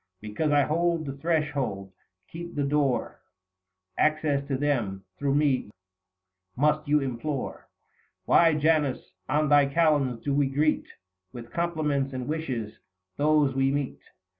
Because I hold the threshold, keep the door ; Access to them, through me, must you implore." " Why, Janus, on thy Kalends do we greet 185 With compliments and wishes those we meet ?